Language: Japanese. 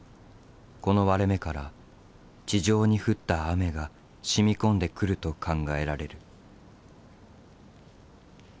この割れ目から地上に降った雨が染み込んでくると考えられる。